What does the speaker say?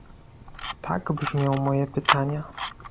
Tak brzmią moje pytania